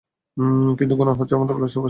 কিন্তু গুনার হচ্ছে আমাদের ভালোবাসার ফসল।